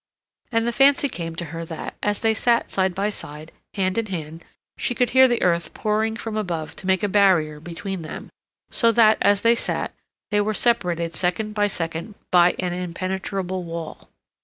And the fancy came to her that, as they sat side by side, hand in hand, she could hear the earth pouring from above to make a barrier between them, so that, as they sat, they were separated second by second by an impenetrable wall.